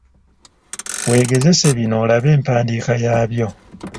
Weegezese bino olabe empandiika yaabyo.